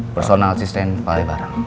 personal assistant pak rebaran